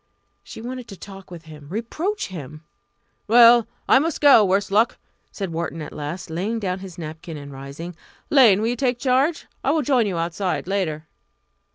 She wanted to talk with him reproach him! "Well I must go worse luck," said Wharton at last, laying down his napkin and rising. "Lane, will you take charge? I will join you outside later."